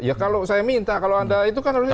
ya kalau saya minta kalau anda itu kan harusnya